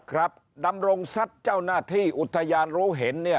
ครับดำรงทรัพย์เจ้าหน้าที่อุทยานรู้เห็นเนี่ย